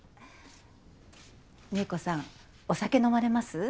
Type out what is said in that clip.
美恵子さんお酒飲まれます？